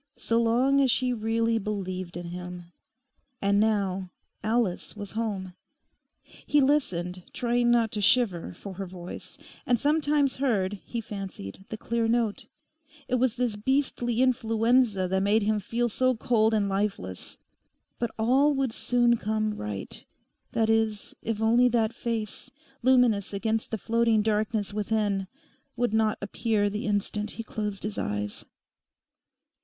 So long as she really believed in him. And now—Alice was home. He listened, trying not to shiver, for her voice; and sometimes heard, he fancied, the clear note. It was this beastly influenza that made him feel so cold and lifeless. But all would soon come right—that is, if only that face, luminous against the floating darkness within, would not appear the instant he closed his eyes.